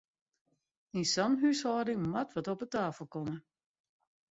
Yn sa'n húshâlding moat wat op 'e tafel komme!